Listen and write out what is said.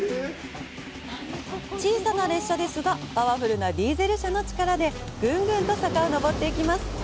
小さな列車ですが、パワフルなディーゼル車の力でぐんぐんと坂を上っていきます。